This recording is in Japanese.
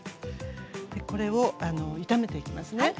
これを炒めていきますね。